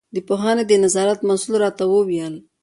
د پوهنې د نظارت مسوول راته وویل.